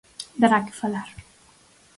Dará que falar.